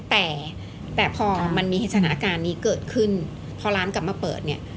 แต่แต่พอมันมีเหตุการณ์นี้เกิดขึ้นพอร้านกลับมาเปิดเนี่ย